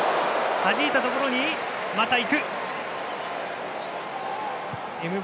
はじいたところに、また行く。